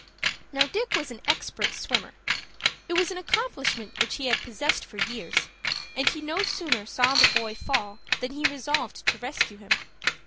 Now Dick was an expert swimmer. It was an accomplishment which he had possessed for years, and he no sooner saw the boy fall than he resolved to rescue him.